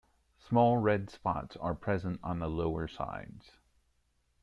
Small red spots are present on the lower sides.